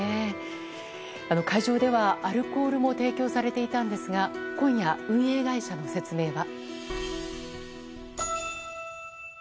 会場ではアルコールも提供されていたんですが今夜、運営会社の説明は。